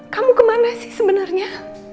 kamu kemana sih sebenarnya